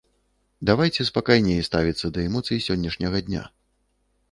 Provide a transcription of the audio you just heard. Давайце спакайней ставіцца да эмоцый сённяшняга дня.